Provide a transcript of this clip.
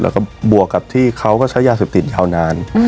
แล้วก็บวกกับที่เขาก็ใช้ยาเสพติดยาวนาน